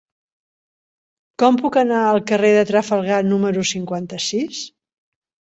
Com puc anar al carrer de Trafalgar número cinquanta-sis?